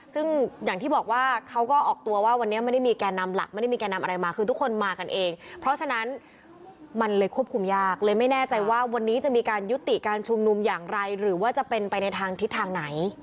ซึ่งอย่างที่บอกว่าเขาก็ออกตัวว่าวันนี้ไม่ได้มีแก่นำหลักไม่ได้มีแก่นำอะไรมาคือทุกคนมากันเองเพราะฉะนั้นมันเลยควบคุมยากเลยไม่แน่ใจว่าวันนี้จะมีการยุติการชุมนุมอย่างไรหรือว่าจะเป็นไปในทางทิศทางไหน